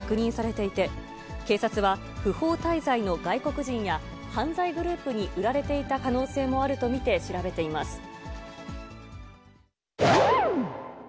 ２人が絡んで不正に登録された車両は、２０台以上確認されていて、警察は、不法滞在の外国人や、犯罪グループに売られていた可能性もあると見て調べています。